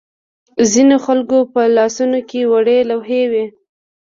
ځینو خلکو په لاسونو کې وړې لوحې وې.